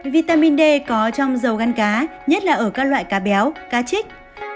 vitamin d có trong dầu gan cá nhất là ở các loại cá béo cá chích